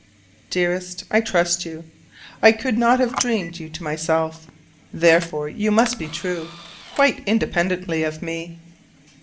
Dearest, I trust you: I could not have dreamed you to myself, therefore you must be true, quite independently of me.